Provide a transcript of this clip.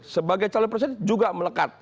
sebagai calon presiden juga melekat